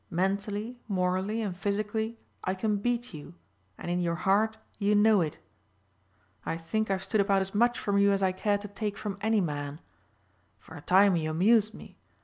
Mentally, morally and physically I can beat you and in your heart you know it. I think I've stood about as much from you as I care to take from any man. For a time you amused me.